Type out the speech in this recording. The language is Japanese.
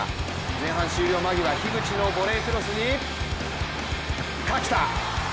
前半終了間際、樋口のボレークロスに垣田。